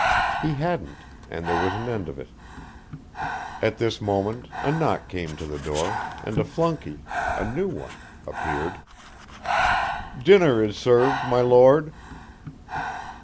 He hadn't, and there was an end of it. At this moment a knock came to the door, and a flunkey a new one appeared. "Dinner is served, my Lord."